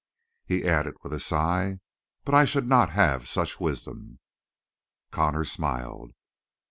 He added with a sigh: "But I should not have such wisdom." Connor smiled.